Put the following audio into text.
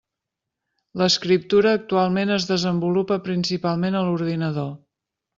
L'escriptura actualment es desenvolupa principalment a l'ordinador.